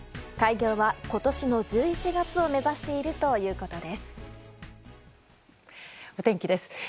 開業は今年の１１月を目指しているということです。